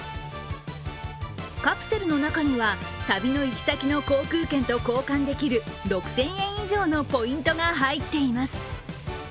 カプセルの中には、旅の行き先の航空券と交換できる６０００円以上のポイントが入っています。